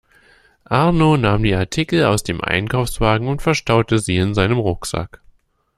Arno nahm die Artikel aus dem Einkaufswagen und verstaute sie in seinem Rucksack.